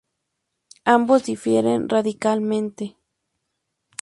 Ambos difieren radicalmente.